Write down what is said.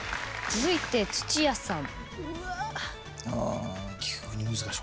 続いて井上さん。